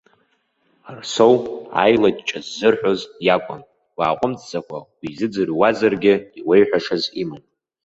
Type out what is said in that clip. Арсоу аилыҷҷа ззырҳәоз иакәын, уааҟәымҵӡакәа уизыӡырҩуазаргьы иуеиҳәашаз иман.